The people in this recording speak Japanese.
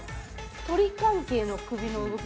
鳥関係の首の動き。